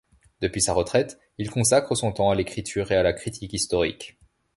Depuis sa retraite, il consacre son temps à l’écriture et à la critique historique.